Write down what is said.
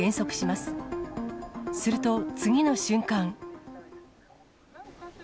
すると、次の瞬間。